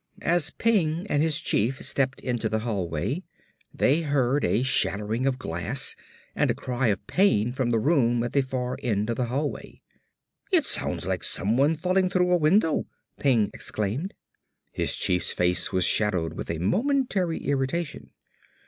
As Peng and his chief stepped into the hallway, they heard a shattering of glass and a cry of pain from a room at the far end of the hallway. "It sounds like someone falling through a window!" Peng exclaimed. His chief's face was shadowed with a momentary irritation.